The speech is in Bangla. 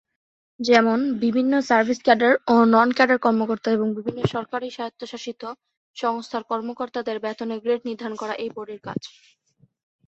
যেমন: বিভিন্ন সার্ভিস ক্যাডার ও নন-ক্যাডার কর্মকর্তা এবং বিভিন্ন সরকারি স্বায়ত্তশাসিত সংস্থার কর্মকর্তাদের বেতনের গ্রেড নির্ধারণ করা এই বোর্ডের কাজ।